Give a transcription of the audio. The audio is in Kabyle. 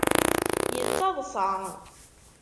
Yettaḍṣa.